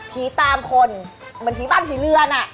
ตามคนเหมือนผีบ้านผีเรือน